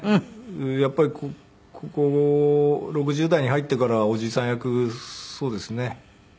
やっぱりここ６０代に入ってからおじいさん役そうですね。